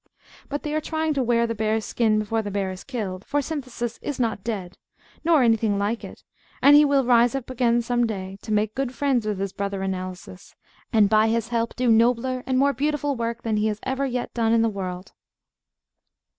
But they are trying to wear the bear's skin before the bear is killed; for Synthesis is not dead, nor anything like it; and he will rise up again some day, to make good friends with his brother Analysis, and by his help do nobler and more beautiful work than he has ever yet done in the world.